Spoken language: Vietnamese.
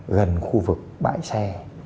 gần khu vực bãi xe